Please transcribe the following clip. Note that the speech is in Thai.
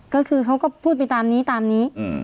ก็คือเขาก็พูดไปตามนี้ตามนี้